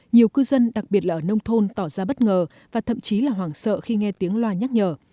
nhiều cư dân đặc biệt là ở nông thôn tỏ ra bất ngờ và thậm chí là hoảng sợ khi nghe tiếng loa nhắc nhở